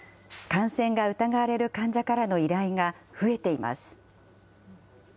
感染が疑われる患者からの依頼が増えています。